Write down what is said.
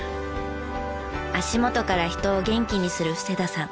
足元から人を元気にする布施田さん。